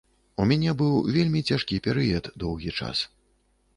У мяне быў вельмі цяжкі перыяд доўгі час.